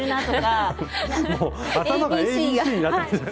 もう頭がＡＢＣになってるんじゃ。